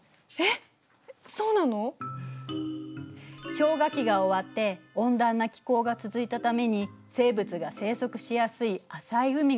氷河期が終わって温暖な気候が続いたために生物が生息しやすい浅い海が広がったから。